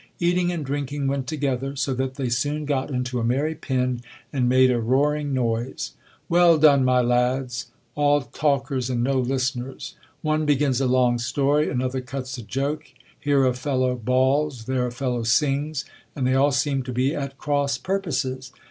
Eating and drinking went together : so that they soon got into a merry pin, and made a roaring noise. Well done, my lads ! All talkers and no listeners. One begins a long story, another cuts a joke ; here a fellow bawls, there a fellow sings ; and they all seem to be at cross purposes.